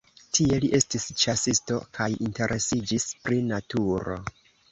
Tie li estis ĉasisto kaj interesiĝis pri naturo.